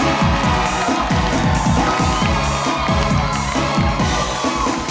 เสียบรรยาภาพ